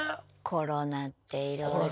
コロナっていろいろ。